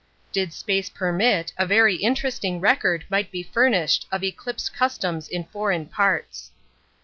Did space permit a very interesting record might be furnished of eclipse customs in foreign parts.